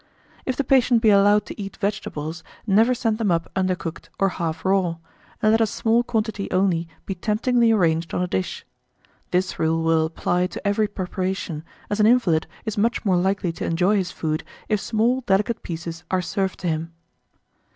1846. If the patient be allowed to eat vegetables, never send them up undercooked, or half raw; and let a small quantity only be temptingly arranged on a dish. This rule will apply to every preparation, as an invalid is much more likely to enjoy his food if small delicate pieces are served to him.